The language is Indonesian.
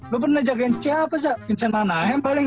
lu pernah jagain siapa sih vincent ranahem paling